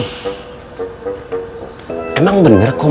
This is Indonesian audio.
tidak ada klinik tabur di jeraus ini kum